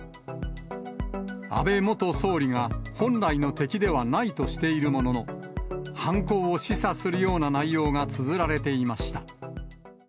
安倍元総理が本来の敵ではないとしているものの、犯行を示唆するような内容がつづられていました。